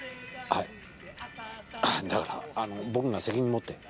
はいあだから僕が責任持ってはい。